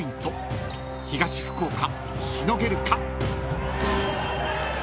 ［東福岡しのげるか？］